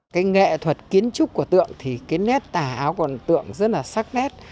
cái nghệ thuật kiến trúc của tượng thì cái nét tà áo còn tượng rất là sắc nét